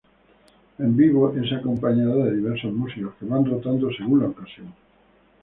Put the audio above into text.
En vivo es acompañado de diversos músicos que van rotando según la ocasión.